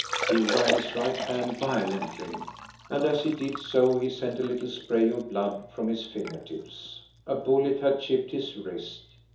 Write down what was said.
He wrung his right hand violently, and as he did so he sent a little spray of blood from his finger tips. A bullet had chipped his wrist.